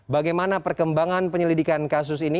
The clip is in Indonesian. bagaimana perkembangan penyelidikan kasus ini